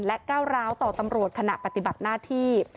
และก้าวร้าวต่อตำรวจขณะปฏิบัติหน้าที่